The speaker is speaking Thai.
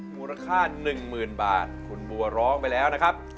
มูลค่า๑๐๐๐บาทคุณบัวร้องไปแล้วนะครับ